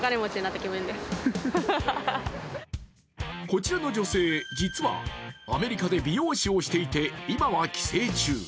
こちらの女性、実はアメリカで美容師をしていて今は帰省中。